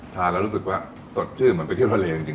ทานแล้วรู้สึกว่าสดชื่นเหมือนไปเที่ยวทะเลจริง